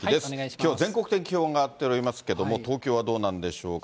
きょうは全国的に気温が上がっておりますけれども、東京はどうなんでしょうか。